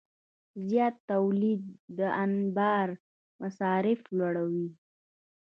زیات تولید د انبار مصارف لوړوي.